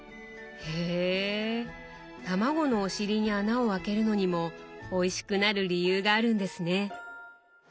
へたまごのお尻に穴をあけるのにもおいしくなる理由があるんですね。